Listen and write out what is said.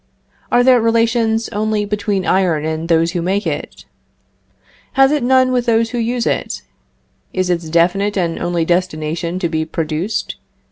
Are there relations only between iron and those who make it? Has it none with those who use it? Is its definite and only destination to be produced?